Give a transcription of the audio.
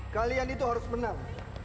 kalian itu harus menang